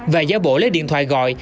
và giáo bộ lấy điện thoại gọi